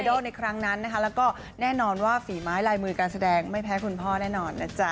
ในครั้งนั้นนะคะแล้วก็แน่นอนว่าฝีไม้ลายมือการแสดงไม่แพ้คุณพ่อแน่นอนนะจ๊ะ